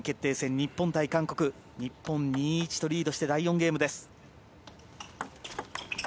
日本２−１とリードして第４ゲームです。